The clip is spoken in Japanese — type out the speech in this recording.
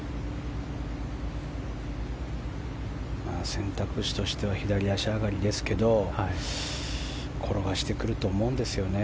選択肢としては左足上がりですけど転がしてくると思うんですよね。